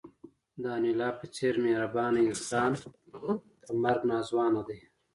د انیلا په څېر مهربان انسان ته مرګ ناځوانه دی